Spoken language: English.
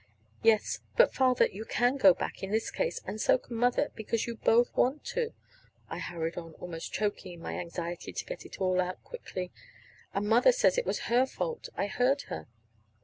"Yes, but, Father, you can go back, in this case, and so can Mother, 'cause you both want to," I hurried on, almost choking in my anxiety to get it all out quickly. "And Mother said it was her fault. I heard her."